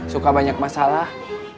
suka banyak masalah